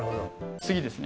次ですね。